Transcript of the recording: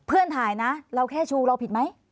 เพื่อนถ่ายนะเราแค่ชูเราผิดไหม